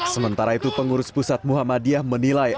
sementara itu pengurus pusat muhammadiyah menilai